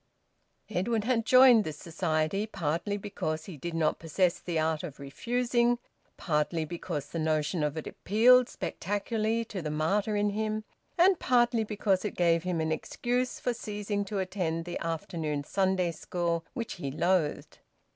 Edwin had joined this Society partly because he did not possess the art of refusing, partly because the notion of it appealed spectacularly to the martyr in him, and partly because it gave him an excuse for ceasing to attend the afternoon Sunday school, which he loathed.